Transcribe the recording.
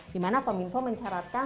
di mana kominfo mencapai